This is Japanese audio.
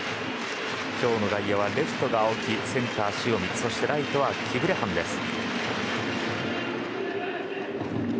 今日の外野はレフトに青木センターは塩見そしてライト、キブレハンです。